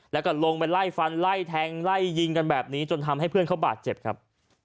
แล้วก็ลงไปไล่ฟันไล่แทงไล่ยิงกันแบบนี้จนทำให้เพื่อนเขาบาดเจ็บครับ